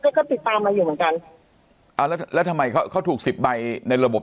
ก็ติดตามมาอยู่เหมือนกันอ่าแล้วแล้วทำไมเขาเขาถูกสิบใบในระบบ